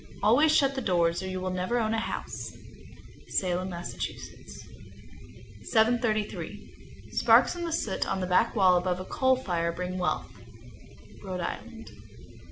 Always shut the doors, or you will never own a house. Salem, Mass. 733. Sparks in the soot on the back wall above a coal fire bring wealth. _Rhode Island.